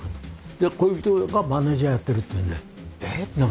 で恋人がマネージャーやってるっていうんで「え？」と。